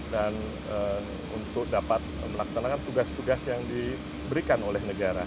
dan untuk dapat melaksanakan tugas tugas yang diberikan oleh negara